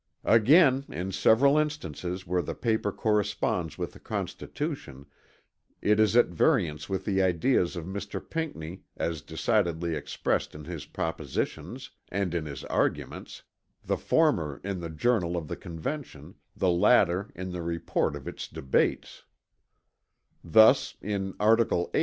"Again, in several instances where the paper corresponds with the Constitution, it is at variance with the ideas of Mr. Pinckney, as decidedly expressed in his propositions, and in his arguments, the former in the Journal of the Convention, the latter in the report of its debates: Thus in Art: VIII.